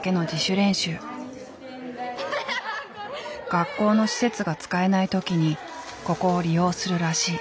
学校の施設が使えない時にここを利用するらしい。